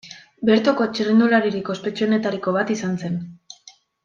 Bertoko txirrindularirik ospetsuenetariko bat izan zen.